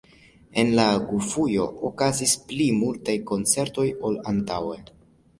En la gufujo okazis pli multaj koncertoj ol antaŭe.